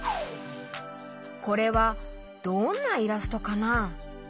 これはどんなイラストかな？